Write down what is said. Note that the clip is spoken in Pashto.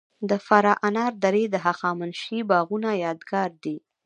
د فراه انار درې د هخامنشي باغونو یادګار دی